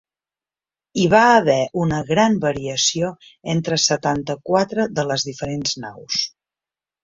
Hi va haver una gran variació entre setanta-quatre de les diferents naus.